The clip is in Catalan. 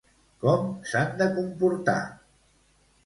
Com s'han de comportar?